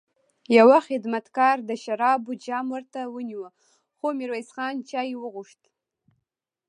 يوه خدمتګار د شرابو جام ورته ونيو، خو ميرويس خان چای وغوښت.